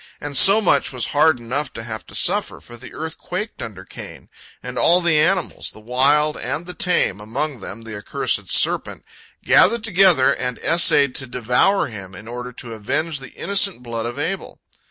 And so much was hard enough to have to suffer, for the earth quaked under Cain, and all the animals, the wild and the tame, among them the accursed serpent, gathered together and essayed to devour him in order to avenge the innocent blood of Abel.